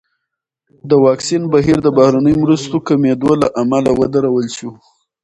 د واکسین بهیر د بهرنیو مرستو کمېدو له امله ودرول شو.